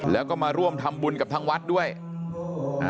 แล้วก็มาร่วมทำบุญกับทางวัดด้วยอ่าเจ้าวาดท่านก็ทำวิธีเจิมมือให้นะครับ